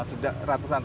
sudah ratusan tahun ya